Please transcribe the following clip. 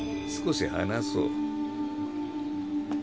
少し話そう。